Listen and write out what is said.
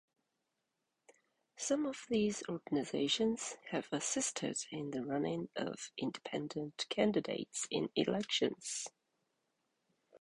Some of these organisations have assisted in the running of independent candidates in elections.